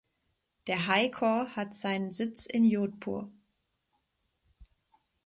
Der "High Court" hat seinen Sitz in Jodhpur.